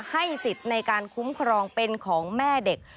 สิทธิ์ในการคุ้มครองเป็นของแม่เด็ก